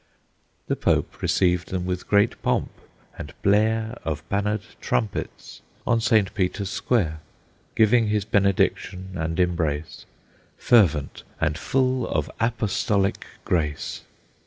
The Pope received them with great pomp, and blare Of bannered trumpets, on Saint Peter's square, Giving his benediction and embrace, Fervent, and full of apostolic grace.